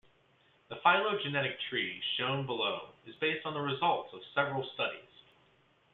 The phylogenetic tree shown below is based on the results of several studies.